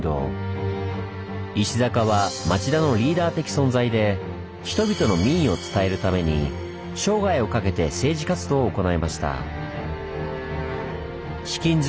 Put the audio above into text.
石阪は町田のリーダー的存在で人々の民意を伝えるために生涯をかけて政治活動を行いました。